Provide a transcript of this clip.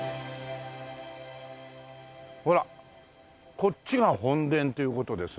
ほらこっちが本殿という事ですね。